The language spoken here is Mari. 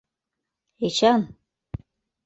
— Эчан...